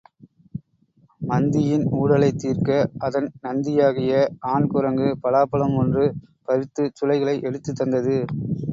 மந்தியின் ஊடலைத் தீர்க்க அதன் நந்தியாகிய ஆண் குரங்கு பலாப்பழம் ஒன்று பறித்துச் சுளைகளை எடுத்துத் தந்தது.